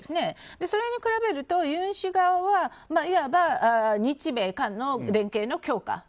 それに比べるとユン氏側はいわば日米韓の連携の強化